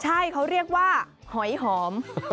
ใช่เขาเรียกว่าหอยหอม